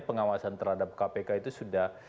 pengawasan terhadap kpk itu sudah